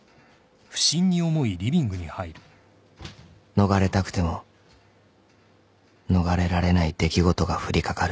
［逃れたくても逃れられない出来事が降りかかる］